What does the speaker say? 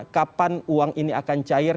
kapan uang ini akan cair